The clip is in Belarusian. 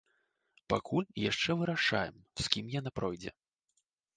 Пакуль яшчэ вырашаем, з кім яна пройдзе.